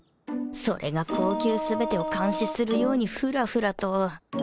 それが後宮全てを監視するようにフラフラと